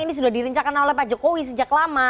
ini sudah dirincakan oleh pak jokowi sejak lama